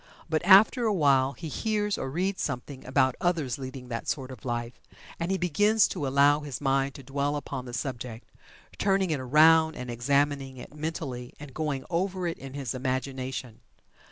But after a while he hears, or reads something about others leading that sort of life, and he begins to allow his mind to dwell upon the subject, turning it around and examining it mentally, and going over it in his imagination.